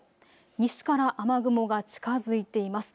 西から雨雲が近づいています。